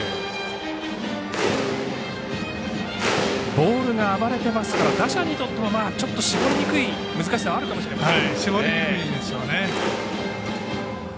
ボールが暴れていますから打者にとっても、ちょっと絞りにくい難しさはあるかもしれません。